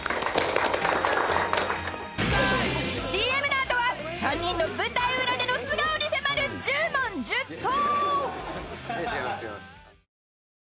［ＣＭの後は３人の舞台裏での素顔に迫る１０問１０答！］